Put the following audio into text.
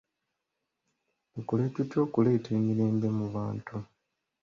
Tukole tutya okuleeta emirembe mu bantu?